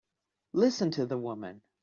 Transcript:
Listen to the woman!